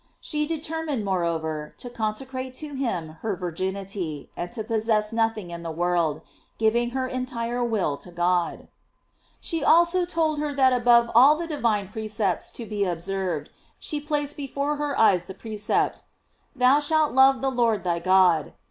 * She determined, moreover, to con secrate to him her virginity, and to possess nothing in the world, giving her entire will to God.f She also told her that above all the di vine precepts to be observed, she placed before her eyes the precept, "Thou shalt love the Lord thy God